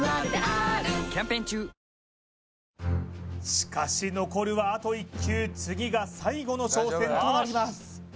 しかし残るはあと１球次が最後の挑戦となります